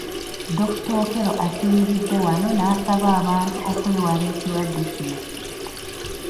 Dr. Okello asinzidde wano n’asaba abantu okwewala ekirwadde kino.